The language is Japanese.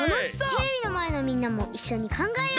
テレビのまえのみんなもいっしょにかんがえよう！